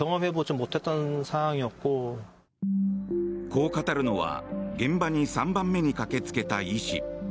こう語るのは現場に３番目に駆けつけた医師。